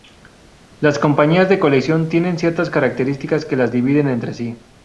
Las compañías de colección tienen ciertas características que las dividen entre sí.